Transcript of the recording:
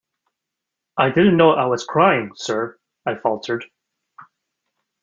"I didn't know I was crying, sir," I faltered.